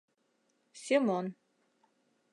«Семон...